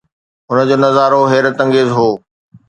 هن جو نظارو حيرت انگيز هو.